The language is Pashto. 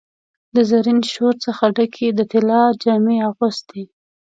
د زرین شور څخه ډکي، د طلا جامې اغوستي